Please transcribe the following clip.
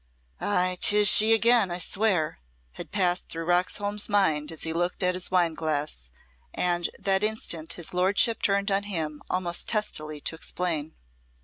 "Ay, 'tis she again, I swear," had passed through Roxholm's mind as he looked at his wineglass, and that instant his lordship turned on him almost testily to explain.